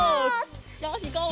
よしいこう！